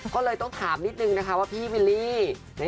ก็เลยต้องถามนิดนึงนะคะว่าพี่วิลลี่